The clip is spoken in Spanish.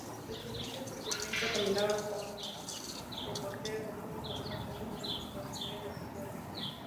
Su excelente defensa combinada con su repertorio ofensivo forman un conjunto extraordinario de habilidades.